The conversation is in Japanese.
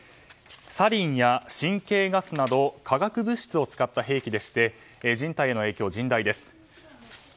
サリンや神経ガスなど化学物質を使った兵器でして人体への影響は甚大です。